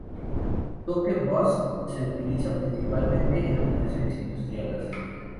Token Bus se utiliza principalmente en aplicaciones industriales.